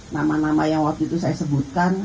nama nama yang waktu itu saya sebutkan